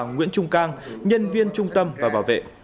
nguyễn trung cang nhân viên trung tâm và bảo vệ